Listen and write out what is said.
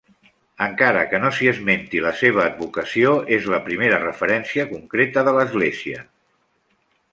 Encara que no s'hi esmenti la seva advocació, és la primera referència concreta de l'església.